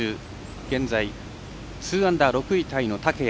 現在２アンダー６位タイの竹谷。